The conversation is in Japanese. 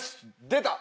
出た。